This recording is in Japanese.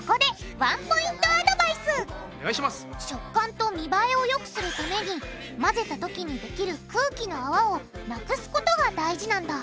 食感と見栄えをよくするために混ぜたときにできる空気の泡をなくすことが大事なんだ！